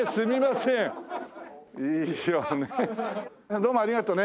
どうもありがとね。